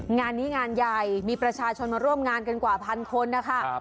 งานนี้งานใหญ่มีประชาชนมาร่วมงานกันกว่าพันคนนะคะ